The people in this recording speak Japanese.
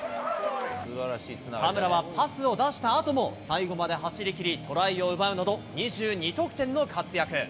田村はパスを出したあとも最後まで走りきり、トライを奪うなど、２２得点の活躍。